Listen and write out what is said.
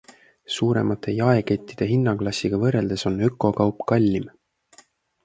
Suuremate jaekettide hinnaklassiga võrreldes on ökokaup kallim.